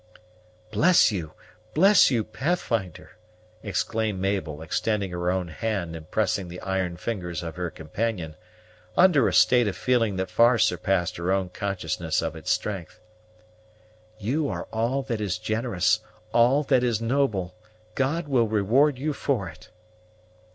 "Bless you, bless you, Pathfinder!" exclaimed Mabel, extending her own hand and pressing the iron fingers of her companion, under a state of feeling that far surpassed her own consciousness of its strength. "You are all that is generous, all that is noble! God will reward you for it."